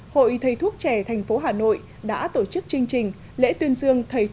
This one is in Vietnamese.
hội thầy thuốc trẻ thành phố hà nội đã tổ chức chương trình lễ tuyên dương